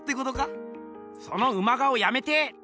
そのウマ顔やめて！